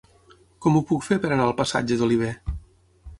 Com ho puc fer per anar al passatge d'Olivé?